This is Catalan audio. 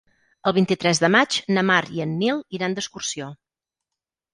El vint-i-tres de maig na Mar i en Nil iran d'excursió.